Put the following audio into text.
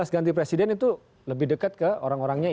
dua ribu sembilan belas ganti presiden itu lebih dekat ke orang orang lain